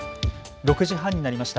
６時半になりました。